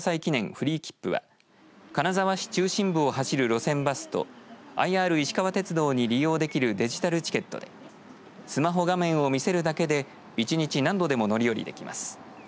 フリー切符は金沢市中心部を走る路線バスとＩＲいしかわ鉄道に利用できるデジタルチケットでスマホ画面を見せるだけで１日何度でも乗り降りできます。